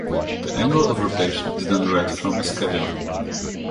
The angle of rotation is then read from a scale.